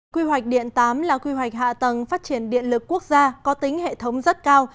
quy hoạch điện tám là quy hoạch hạ tầng phát triển điện lực quốc gia có tính hệ thống rất cao